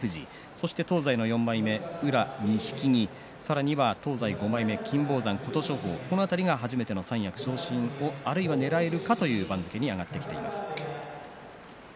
そして東西の４枚目宇良、錦木さらには東西５枚目金峰山琴勝峰、この辺りが初めての三役昇進もあるいはねらえるかという番付に上がってきています。